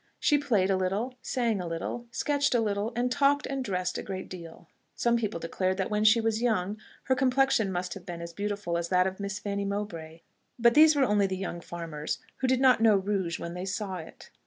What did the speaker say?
She played a little, sang a little, sketched a little, and talked and dressed a great deal. Some people declared that when she was young, her complexion must have been as beautiful as that of Miss Fanny Mowbray: but these were only the young farmers, who did not know rouge when they saw it.